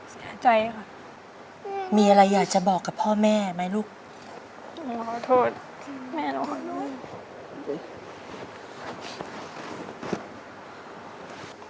เสียใจค่ะมีอะไรอยากจะบอกกับพ่อแม่ไหมลูกหนูขอโทษที่แม่ต้องขอโทษ